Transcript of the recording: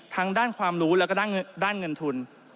ทั้งด้านความรู้แล้วก็ด้านเงินทุน